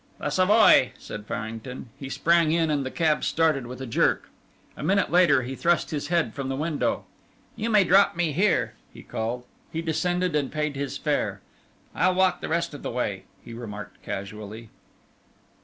"The Savoy," said Farrington. He sprang in, and the cab started with a jerk. A minute later he thrust his head from the window. "You may drop me here," he called. He descended and paid his fare. "I'll walk the rest of the way," he remarked casually.